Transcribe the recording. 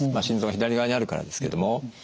心臓が左側にあるからですけども。